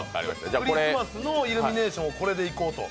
クリスマスのイルミネーションはこれでいこうと。